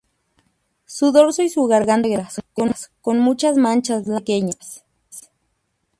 Su dorso y garganta son negras con muchas manchas blancas pequeñas.